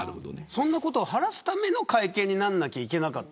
そういうことを晴らすための会見にならなきゃいけなかった。